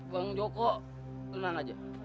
bang joko tenang aja